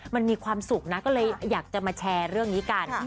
มันมีความสุขนะก็เลยอยากจะมาแชร์เรื่องนี้กัน